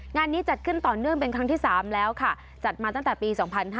งานนี้จัดขึ้นต่อเนื่องเป็นครั้งที่๓แล้วค่ะจัดมาตั้งแต่ปี๒๕๕๙